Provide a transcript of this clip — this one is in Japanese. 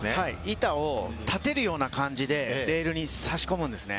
板を立てるような感じでレールに差し込むんですね。